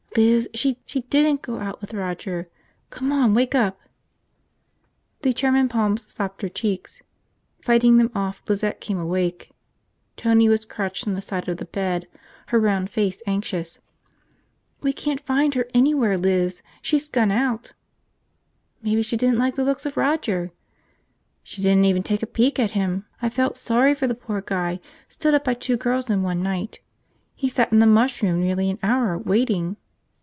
"Liz, she didn't go out with Roger! Come on, wake up!" Determined palms slapped her cheeks. Fighting them off, Lizette came awake. Tony was crouched on the side of the bed, her round face anxious. "We can't find her anywhere, Liz. She's skun out." "Maybe she didn't like the looks of Roger." "She didn't even take a peek at him. I felt sorry for the poor guy, stood up by two girls in one night. He sat in the mush room nearly an hour, waiting."